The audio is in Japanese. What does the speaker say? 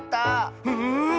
うん！